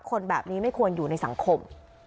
คนแบบนี้ไม่ควรอยู่ในสังคม